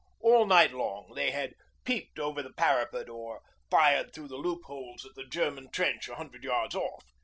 All night long they had peeped over the parapet, or fired through the loopholes at the German trench a hundred yards off.